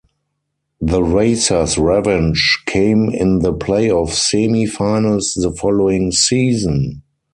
The Racers' revenge came in the playoff semi-finals the following season.